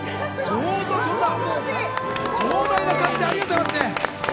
壮大な感じでありがとうございますね。